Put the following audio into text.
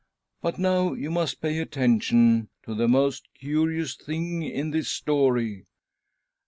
But now you must pay attention to the most curious thing in this story.